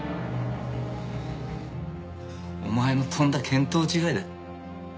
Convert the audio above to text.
お前のとんだ見当違いだ。